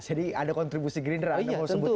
jadi ada kontribusi gerindra anda mau sebut itu ya